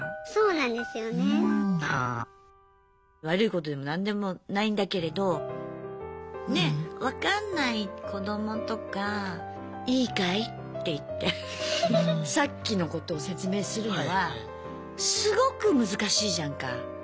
悪いことでも何でもないんだけれどねっ分かんない子どもとか「いいかい？」って言ってさっきのことを説明するのはすごく難しいじゃんか。